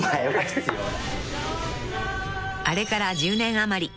［あれから１０年余り］